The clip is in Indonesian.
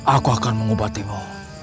aku akan mengubatimu